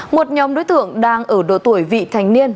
một nhóm đối tượng đang ở độ tuổi vị thành niên